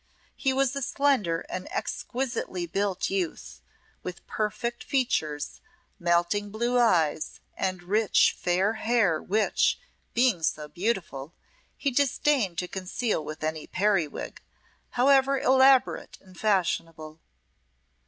He was a slender and exquisitely built youth, with perfect features, melting blue eyes, and rich fair hair which, being so beautiful, he disdained to conceal with any periwig, however elaborate and fashionable.